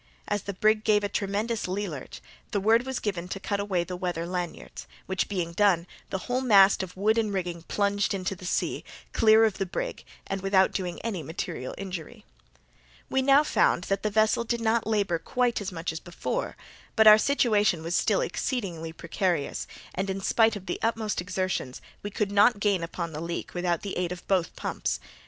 As the brig gave a tremendous lee lurch, the word was given to cut away the weather lanyards, which being done, the whole mass of wood and rigging plunged into the sea, clear of the brig, and without doing any material injury. We now found that the vessel did not labour quite as much as before, but our situation was still exceedingly precarious, and in spite of the utmost exertions, we could not gain upon the leak without the aid of both pumps.